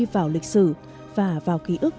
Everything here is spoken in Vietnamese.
vào lịch sử và vào ký ức